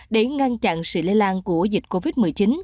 để ngăn chặn sự lây lan của dịch covid một mươi chín